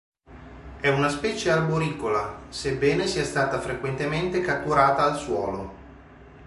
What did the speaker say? È una specie arboricola, sebbene sia stata frequentemente catturata al suolo.